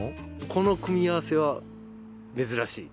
この組み合わせは珍しい。